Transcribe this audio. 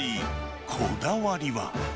こだわりは。